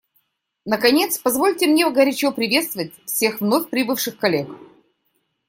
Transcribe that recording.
Наконец, позвольте мне горячо приветствовать всех вновь прибывших коллег.